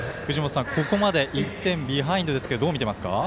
ここまで、１点ビハインドどう見ていますか？